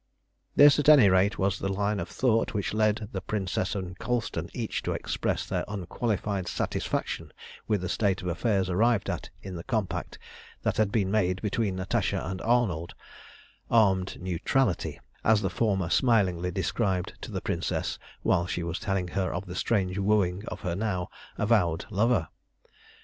This, at any rate, was the line of thought which led the Princess and Colston each to express their unqualified satisfaction with the state of affairs arrived at in the compact that had been made between Natasha and Arnold "armed neutrality," as the former smilingly described to the Princess while she was telling her of the strange wooing of her now avowed lover.